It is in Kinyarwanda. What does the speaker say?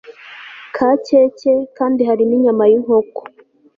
ka keke Kandi hari ninyama yinkoko